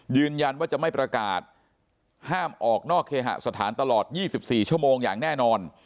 ยืนยันว่าจะไม่ประกาศห้ามออกนอกเคหสถานตลอด๒๔ชั่วโมงอย่างแน่นอน